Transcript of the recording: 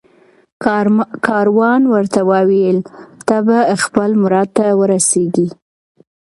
کاروان ورته وویل ته به خپل مراد ته ورسېږې